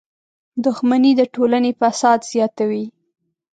• دښمني د ټولنې فساد زیاتوي.